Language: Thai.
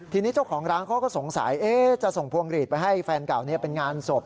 ทีนี้เจ้าของร้านเขาก็สงสัยจะส่งพวงหลีดไปให้แฟนเก่าเป็นงานศพ